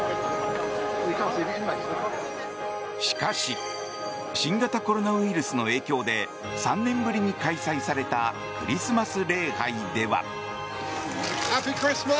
しかし新型コロナウイルスの影響で３年ぶりに開催されたクリスマス礼拝では。